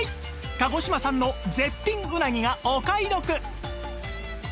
鹿児島産の絶品うなぎがお買い得！